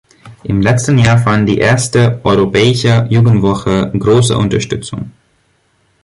Im letzten Jahr fand die erste europäische Jugendwoche große Unterstützung.